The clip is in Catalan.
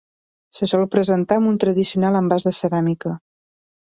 Se sol presentar amb un tradicional envàs de ceràmica.